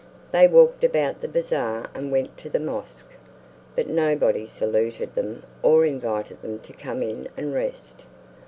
They walked about the bazaar and went to the mosque, but nobody saluted them or invited them to come in and rest.